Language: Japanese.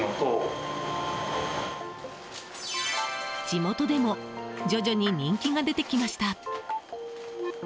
地元でも徐々に人気が出てきました。